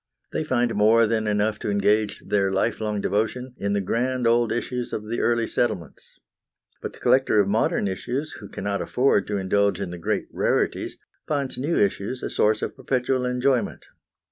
They find more than enough to engage their lifelong devotion in the grand old issues of the early settlements. But the collector of modern issues who cannot afford to indulge in the great rarities, finds new issues a source of perpetual enjoyment.